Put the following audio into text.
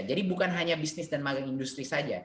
jadi bukan hanya bisnis dan magang industri saja